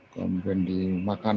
kemudian di makanan